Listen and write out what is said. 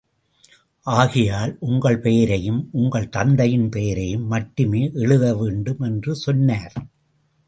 ஆகையால், உங்கள் பெயரையும் உங்கள் தந்தையின் பெயரையும் மட்டுமே எழுத வேண்டும் என்று சொன்னார்.